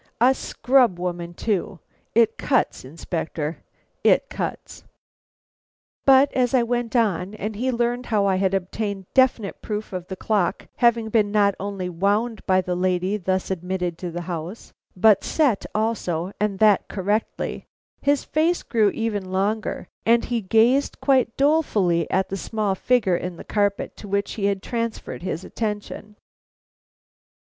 A scrub woman too! It cuts, Inspector, it cuts." But as I went on, and he learned how I had obtained definite proof of the clock having been not only wound by the lady thus admitted to the house, but set also and that correctly, his face grew even longer, and he gazed quite dolefully at the small figure in the carpet to which he had transferred his attention.